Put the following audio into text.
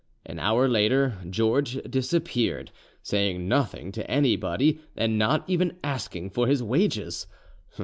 An hour later George disappeared, saying nothing to anybody, and not even asking for his wages.